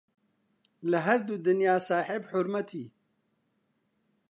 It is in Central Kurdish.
لە هەردوو دونیا ساحێب حورمەتی